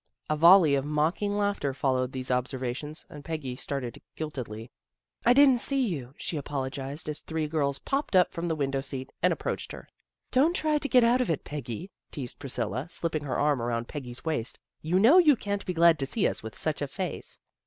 A volley of mocking laughter followed these observations, and Peggy started guiltily. " I didn't see you," she apologized, as three girls popped up from the window seat and approached her. " Don't try to get out of it, Peggy," teased Priscilla, slipping her arm about Peggy's waist. " You know you can't be glad to see us with such a face."